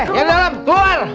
eh yang dalam keluar